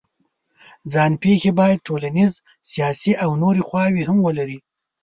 ځان پېښې باید ټولنیز، سیاسي او نورې خواوې هم ولري.